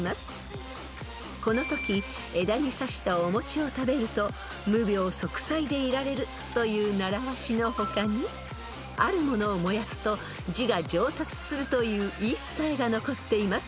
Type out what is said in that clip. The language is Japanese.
［このとき枝にさしたお餅を食べると無病息災でいられるという習わしの他にあるものを燃やすと字が上達するという言い伝えが残っています］